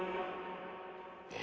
え？